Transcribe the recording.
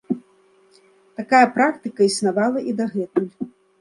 Такая практыка існавала і дагэтуль.